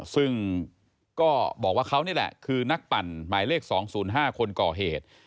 ซึ่งก็บอกว่าเขานี่แหละคือนักปั่นหมายเลข๒๐๕คนก่อเหตุ